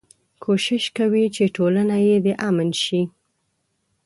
کوشش کوي چې ټولنه يې د امن شي.